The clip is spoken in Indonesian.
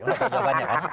sudah tahu jawabannya kan